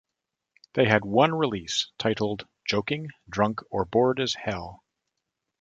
They had one release, titled "Joking, Drunk, or Bored as Hell".